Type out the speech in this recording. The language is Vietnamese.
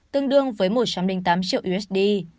tương đương với một trăm linh tám triệu usd